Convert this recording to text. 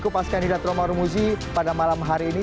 kupaskan hidat romaro muzi pada malam hari ini